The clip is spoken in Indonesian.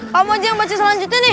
kamu mau aja yang baca selanjutnya nih